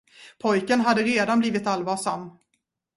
Pojken hade redan blivit allvarsam.